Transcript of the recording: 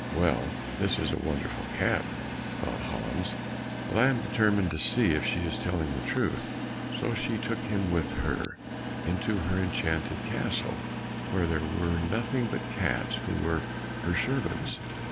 "Well, this is a wonderful cat!" thought Hans, "but I am determined to see if she is telling the truth." So she took him with her into her enchanted castle, where there were nothing but cats who were her servants.